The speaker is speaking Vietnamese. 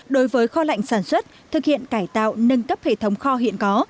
đối với kho lạnh sản xuất thực hiện cải tạo nâng cấp hệ thống kho hiện có